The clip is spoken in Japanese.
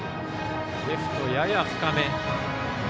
レフト、やや深めです。